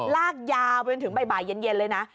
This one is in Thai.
ลากยาวไปจนถึงบ่ายเย็นเลยนะ